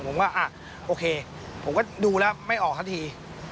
ผมว่าโอเคผมก็ดูแล้วไม่ออกซะที